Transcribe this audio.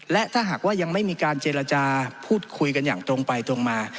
และถ้าหากว่ายังไม่มีการเจรจาพูดคุยกันอย่างตรงไปตรงมา